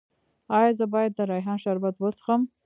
ایا زه باید د ریحان شربت وڅښم؟